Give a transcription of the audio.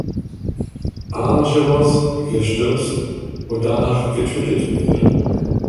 Angelos gestürzt und danach getötet wurde.